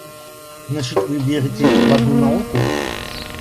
Значит, вы верите в одну науку?